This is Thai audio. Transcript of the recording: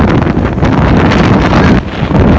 เมื่อเกิดขึ้นมันกลายเป้าหมายเป้าหมาย